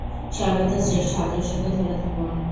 সর্বদা শ্রেষ্ঠ আদর্শকে ধরে থাকুন।